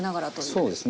そうですね。